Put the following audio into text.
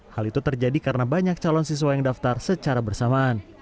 hal itu terjadi karena banyak calon siswa yang daftar secara bersamaan